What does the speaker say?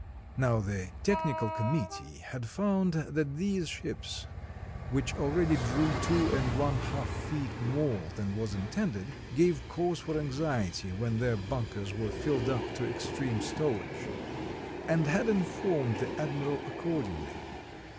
Now the Technical Committee had found that these ships, which already drew two and one half feet more than was intended, gave cause for anxiety when their bunkers were filled up to extreme stowage, and had informed the ad miral accordingly.